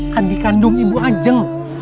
kan dikandung ibu ajeng